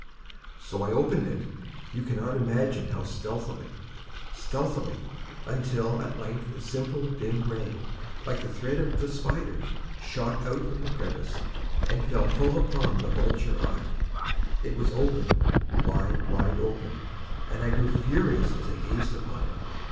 So I opened it—you cannot imagine how stealthily, stealthily—until, at length a simple dim ray, like the thread of the spider, shot from out the crevice and fell full upon the vulture eye. It was open—wide, wide open—and I grew furious as I gazed upon it.